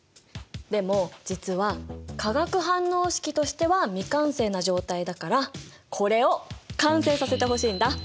でも実は化学反応式としては未完成な状態だからこれを完成させてほしいんだ。